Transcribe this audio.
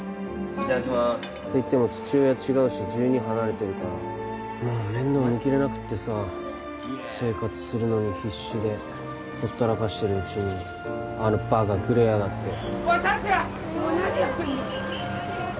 いただきますっていっても父親違うし１２離れてるからもう面倒見きれなくってさ生活するのに必死でほったらかしてるうちにあのバカグレやがっておい達哉お前何やってんだよ